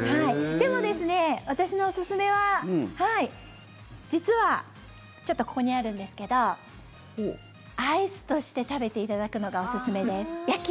でもですね、私のおすすめは実はちょっとここにあるんですがアイスとして食べていただくのがおすすめです。